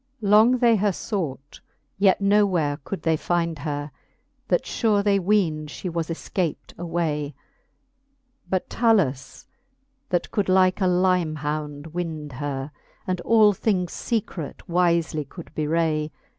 Long they her (ought, yet no where could they finde her, That fure they ween'd Ihe was efcapt away : But TaluSj that could like a limehound winde her, And all things fecrete wifely could bewray.